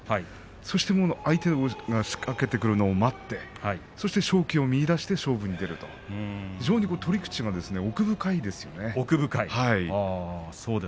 そして相手が仕掛けてくるのを待ってそして勝機を見いだして勝負に出ると非常に取り口が奥深いですよね。